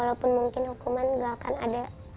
walaupun mungkin hukuman gak akan ada